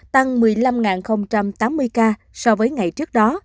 tăng một mươi năm tám mươi ca so với ngày trước đó